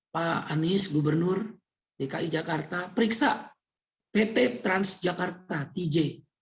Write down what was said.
pak anies gubernur dki jakarta periksa pt transjakarta tj